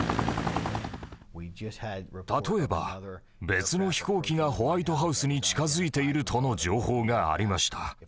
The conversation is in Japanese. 例えば別の飛行機がホワイトハウスに近づいているとの情報がありました。